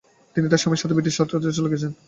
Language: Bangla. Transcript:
তিনি তার স্বামীর সাথে ব্রিটিশ ভারতে আসেন।